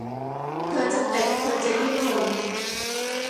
เธอจะเตะ เธอจะดิ้นรน